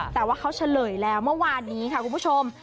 แต่ว่าเขาเฉลยแล้วเมื่อวานนี้ค่ะคุณผู้ชม